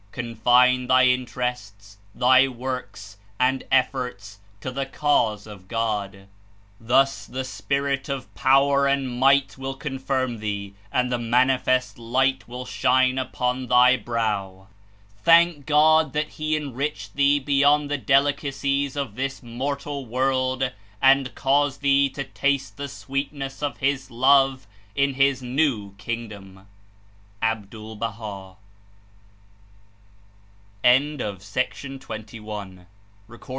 Confine thy interests, thy works and efforts to the Cause of God. Thus the Spirit of Power and Might zcill confirm thee, and the manifest light will shine upon thy bi'ow.'^ ''Thank God that He enriched thee beyond the delicacies of this mortal zvorld and caused thee to taste the sweetness of His Love in His New Kingdom.'' (Abdul Baha'.)